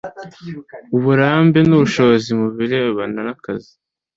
uburambe n ubushobozi mu birebana na kazi